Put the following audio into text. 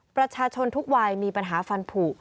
ประชาชนทุกวัยมีปัญหาฟันผู